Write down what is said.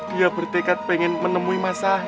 dia bertekad pengen menemui mas haid